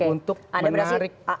untuk menarik masyarakat